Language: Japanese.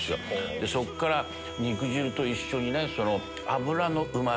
そこから肉汁と一緒に脂のうまみ。